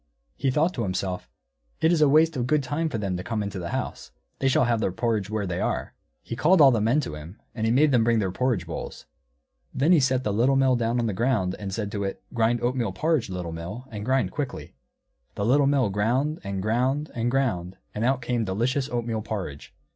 He thought to himself, "It is a waste of good time for them to come into the house; they shall have their porridge where they are." He called all the men to him, and made them bring their porridge bowls. Then he set the Little Mill down on the ground, and said to it, "Grind oatmeal porridge, Little Mill, and grind quickly!" The Little Mill ground, and ground, and ground, and out came delicious oatmeal porridge.